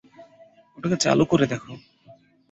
ওটাকে চালু করে দেখো।